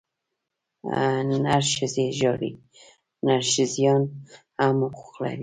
نرښځی ژاړي، نرښځيان هم حقوق لري.